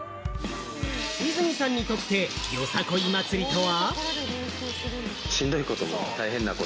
泉さんにとって、よさこい祭りとは？